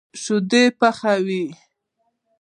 شيدې پخوي.